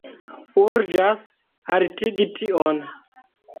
Urĝas haltigi tion.